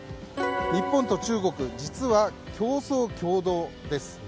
日本と中国、実は共創・協働です。